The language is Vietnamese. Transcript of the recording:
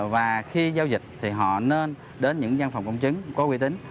và khi giao dịch họ nên đến những giam phòng công chứng có quyết định